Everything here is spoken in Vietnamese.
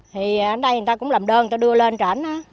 thì hôm nay người ta cũng làm đơn cho đưa lên trển đó